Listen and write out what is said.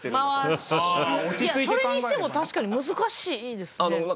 それにしても確かに難しいですね。